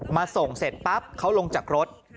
มาส่งเสร็จปั๊บเขาลงจากรถ